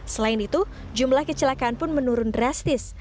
selain itu jumlah kecelakaan pun menurun drastis